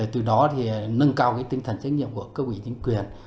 từ đó thì nâng cao tinh thần trách nhiệm của các ủy chính quyền